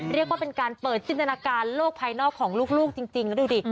เรียกว่าเป็นการเปิดจินตนาการโลกภายนอกของลูกจริงแล้วดูดิ